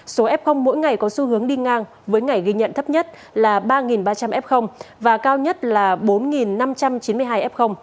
số f mỗi ngày có xu hướng đi ngang với ngày ghi nhận thấp nhất là ba ba trăm linh f và cao nhất là bốn năm trăm chín mươi hai f